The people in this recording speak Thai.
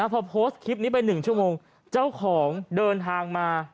พอโพสต์คลิปนี้ไป๑ชั่วโมงเจ้าของเดินทางมา